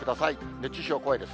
熱中症怖いです。